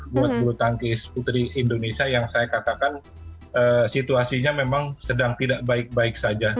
buat bulu tangkis putri indonesia yang saya katakan situasinya memang sedang tidak baik baik saja